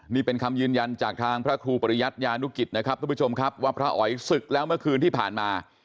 นี่เป็นคำยืนยันจากทางพระครูปริยัติยานุกิจนะครับทุกผู้ชมครับว่าพระอ๋อยศึกแล้วเมื่อคืนที่ผ่านมา